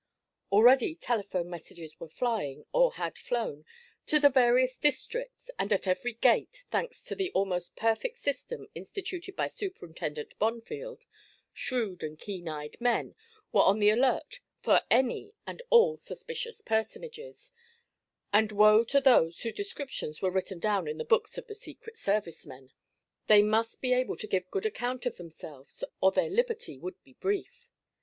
Already telephone messages were flying, or had flown, to the various districts, and at every gate, thanks to the almost perfect system instituted by Superintendent Bonfield, shrewd and keen eyed men were on the alert for any and all suspicious personages, and woe to those whose descriptions were written down in the books of the secret service men. They must be able to give good account of themselves, or their liberty would be brief.